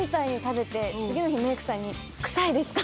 メイクさんに臭いですか？